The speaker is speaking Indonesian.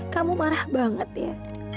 kamu marah banget ya